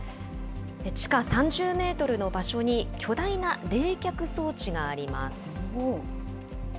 地下３０メートルの場所に、巨大な冷却装置があります。